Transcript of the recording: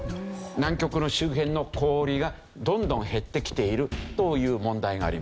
南極の周辺の氷がどんどん減ってきているという問題があります。